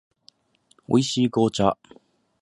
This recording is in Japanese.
美味しい紅茶